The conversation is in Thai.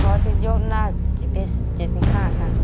เพราะที่ยกแล้วมา๗๕กิโลกรัมค่ะ